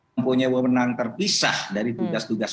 mempunyai warna yang terpisah dari tugas tugas